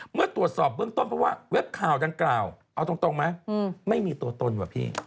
เมื่อตรวจสอบเบื้องต้นเพราะว่าเว็บข่าวดังกล่าวเอาตรงไหมไม่มีตัวตนว่ะพี่